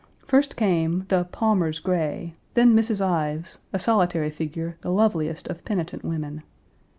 First came the "Palmers Gray," then Mrs. Ives, a solitary figure, the loveliest of penitent women.